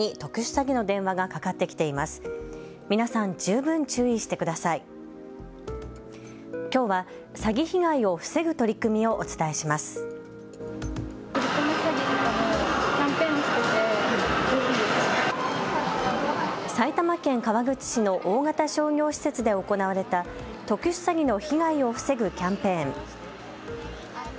埼玉県川口市の大型商業施設で行われた特殊詐欺の被害を防ぐキャンペーン。